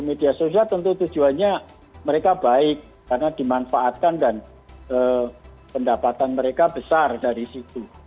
media sosial tentu tujuannya mereka baik karena dimanfaatkan dan pendapatan mereka besar dari situ